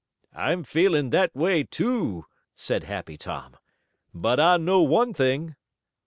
"I'm feeling that way, too," said Happy Tom. "But I know one thing."